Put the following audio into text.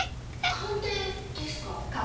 鑑定ですか？